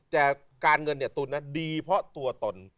แต่การเงินเนี่ยตุ๋นดีเพราะตัวตน